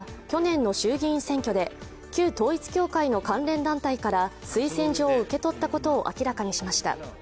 木原副長官は去年の衆議院選挙で旧統一教会の関連団体から推薦状を受け取ったことを明らかにしました。